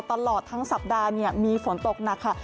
ตลอดทั้งสัปดาห์มีฝนตกหนักค่ะ